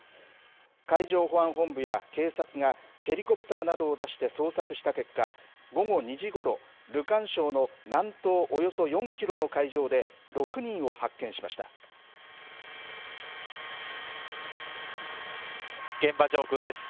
海上保安本部や警察がヘリコプターなどを出して捜索した結果、午後２時ごろ、ルカン礁の南東およそ４キロの海上で、現場上空です。